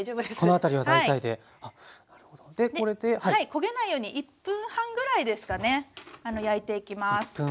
焦げないように１分半ぐらいですかね焼いていきます。